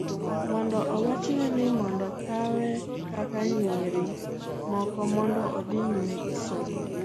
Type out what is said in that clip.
mondo owachne ni mondo okawe kaka nyiri moko mondo odhi nyime gi sombe